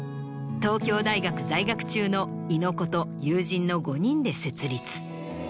東京大学在学中の猪子と友人の５人で設立。